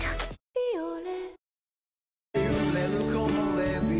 「ビオレ」